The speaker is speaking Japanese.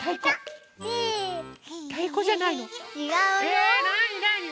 えなになに？